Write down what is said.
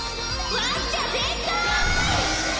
ワッチャ全開！